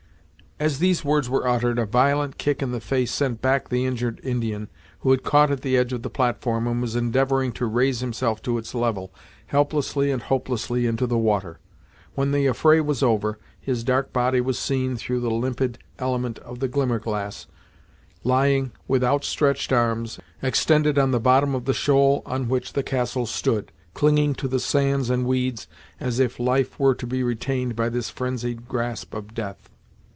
As these words were uttered a violent kick in the face sent back the injured Indian, who had caught at the edge of the platform, and was endeavoring to raise himself to its level, helplessly and hopelessly into the water. When the affray was over, his dark body was seen, through the limpid element of the Glimmerglass, lying, with outstretched arms, extended on the bottom of the shoal on which the Castle stood, clinging to the sands and weeds, as if life were to be retained by this frenzied grasp of death.